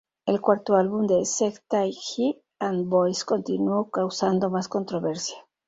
El cuarto álbum de Seo Tai-ji and Boys continuó causando más controversia.